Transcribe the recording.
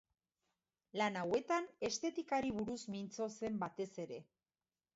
Lan hauetan estetikari buruz mintzo zen batez ere.